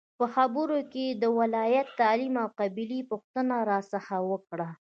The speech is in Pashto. په خبرو کې یې د ولایت، تعلیم او قبیلې پوښتنه راڅخه وکړه.